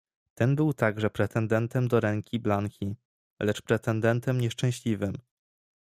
"Ten był także pretendentem do ręki Blanki, lecz pretendentem nieszczęśliwym."